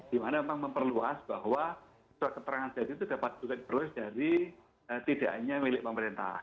di mana memang memperluas bahwa surat keterangan sehat itu dapat dibuka terus dari tidak hanya milik pemerintah